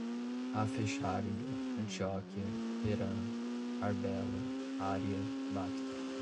Afexárida, Antioquia, Teerã, Arbela, Ária, Bactro